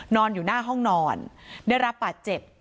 นอนอยู่หน้าห้องนอนได้รับบาดเจ็บ